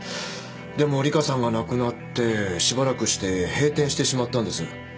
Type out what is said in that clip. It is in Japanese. でも里香さんが亡くなってしばらくして閉店してしまったんです。